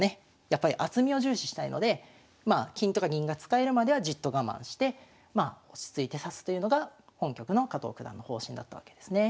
やっぱり厚みを重視したいので金とか銀が使えるまではじっと我慢して落ち着いて指すというのが本局の加藤九段の方針だったわけですね。